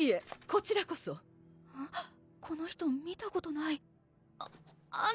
こちらこそこの人見たことないあ